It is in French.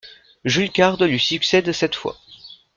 Jules Carde lui succède cette fois.